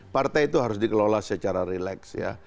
partai itu harus dikelola secara relax ya